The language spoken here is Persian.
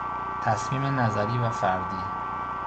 تصمیم نظری و فردی